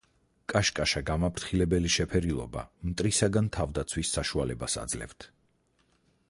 კაშკაშა გამაფრთხილებელი შეფერილობა მტრისაგან თავდაცვის საშუალებას აძლევთ.